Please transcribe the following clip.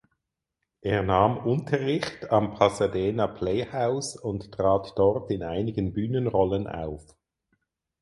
Er nahm Unterricht am Pasadena Playhouse und trat dort in einigen Bühnenrollen auf.